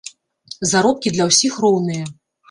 Заробкі для ўсіх роўныя.